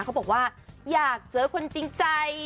เขาบอกว่าอยากเจอคนจริงใจ